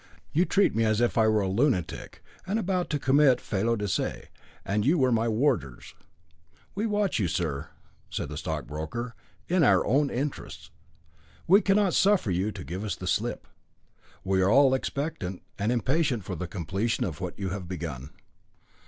You treat me as if I were a lunatic and about to commit felo de se, and you were my warders." "We watch you, sir," said the stockbroker, "in our own interest. We cannot suffer you to give us the slip. We are all expectant and impatient for the completion of what you have begun."